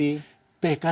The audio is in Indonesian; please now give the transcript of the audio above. tingkat negeri kasasi